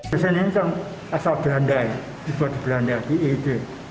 mesin ini asal belanda dibuat di belanda di ej